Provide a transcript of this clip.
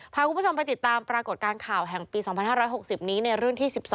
พาคุณผู้ชมไปติดตามปรากฏการณ์ข่าวแห่งปี๒๕๖๐นี้ในรุ่นที่๑๒